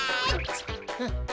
フッ。